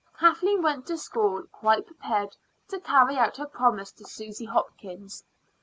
Kathleen went to school quite prepared to carry out her promise to Susy Hopkins.